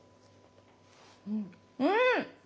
うん！